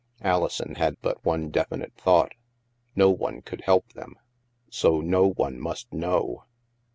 Alison had but one definite thought; no one could help them, so no one must know!